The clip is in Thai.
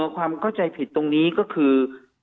ความเข้าใจผิดตรงนี้ก็คือ